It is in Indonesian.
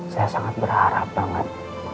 saya sangat berharap banget